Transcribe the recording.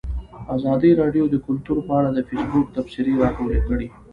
ازادي راډیو د کلتور په اړه د فیسبوک تبصرې راټولې کړي.